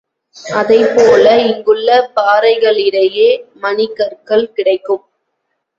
அதைப் போல இங்குள்ள பாறைகளிடையே மணிக் கற்கள் கிடைக்கும்.